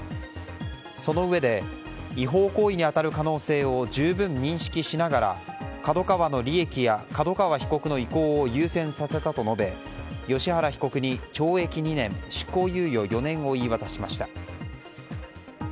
そのうえで違法行為に当たる可能性を十分に指揮しながらＫＡＤＯＫＡＷＡの利益や角川被告の意向を優先させたと述べ芳原被告に懲役２年執行猶予４年を言い渡しました。